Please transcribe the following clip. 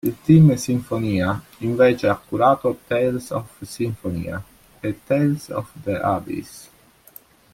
Il “Team Symphonia” invece ha curato "Tales of Symphonia" e "Tales of the Abyss".